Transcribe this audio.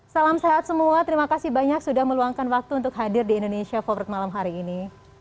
salam sehat semua terima kasih banyak sudah meluangkan waktu untuk hadir di indonesia forward malam hari ini